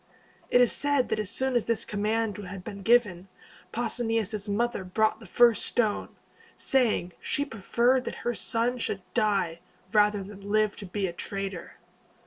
It is said that as soon as this command had been given, Pausanias' mother brought the first stone, saying she preferred that her son should die, rather than live to be a traitor.